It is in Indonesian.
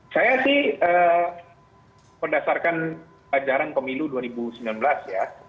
saya sih berdasarkan ajaran pemilu dua ribu sembilan belas ya